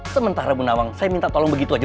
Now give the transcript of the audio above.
sementara bu nawang saya minta tolong begitu aja